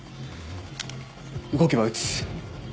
動けば撃つ。